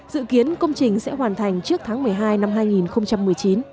dự kiến công trình sẽ hoàn thành trước tháng một mươi hai năm hai nghìn một mươi chín